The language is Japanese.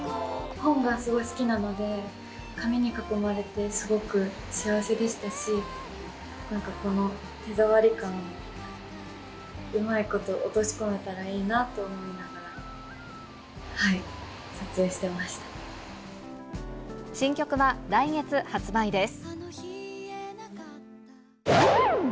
本がすごい好きなので、紙に囲まれてすごく幸せでしたし、なんかこの手触り感をうまいこと落とし込めたらいいなと思いながら、新曲は来月発売です。